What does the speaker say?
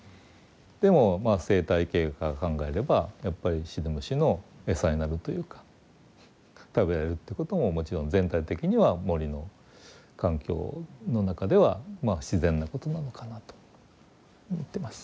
でもまあ生態系から考えればやっぱりシデムシの餌になるというか食べられるってことももちろん全体的には森の環境の中ではまあ自然なことなのかなと思ってます。